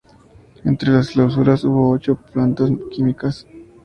Entre las clausuras, hubo ocho plantas químicas.